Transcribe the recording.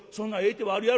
手はあるやろか？」。